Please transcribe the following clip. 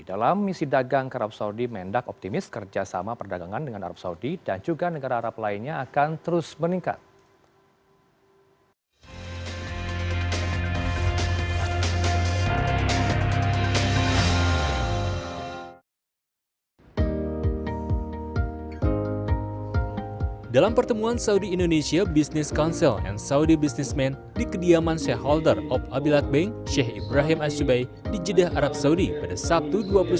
dalam misi dagang ke arab saudi mendak optimis kerjasama perdagangan dengan arab saudi dan juga negara arab lainnya akan terus meningkat